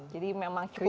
jadi memang cukup halus